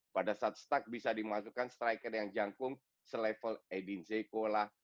pada saat stuck bisa dimasukkan striker yang jangkum selevel edin zeco lah